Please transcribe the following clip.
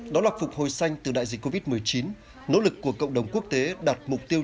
đó là phục hồi xanh từ đại dịch covid một mươi chín nỗ lực của cộng đồng quốc tế đạt mục tiêu